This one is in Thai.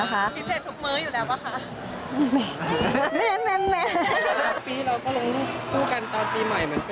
ไปแล้วก็ครบ๑ปี